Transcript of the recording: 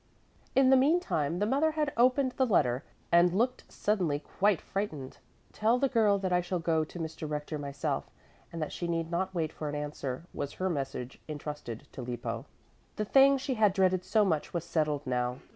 In the meantime the mother had opened the letter and looked suddenly quite frightened. "Tell the girl that I shall go to Mr. Rector myself and that she need not wait for an answer," was her message entrusted to Lippo. The thing she had dreaded so much was settled now.